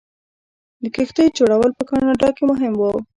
د کښتیو جوړول په کاناډا کې مهم و.